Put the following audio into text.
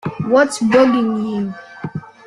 What’s bugging you?